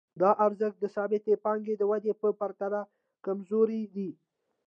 دا ارزښت د ثابتې پانګې د ودې په پرتله کمزوری دی